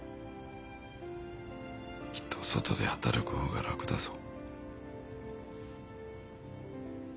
きっと外で働く方が楽だぞ。